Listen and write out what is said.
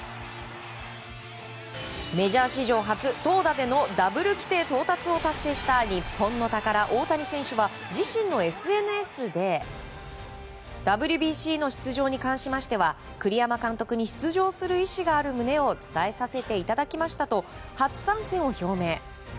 メジャー史上初、投打でのダブル規定到達を達成した日本の宝、大谷選手は自身のＳＮＳでＷＢＣの出場に関しましては栗山監督に出場する意思がある旨を伝えさせていただきましたと初参戦を表明。